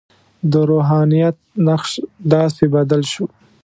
د روحانیت نقش داسې بدل شو.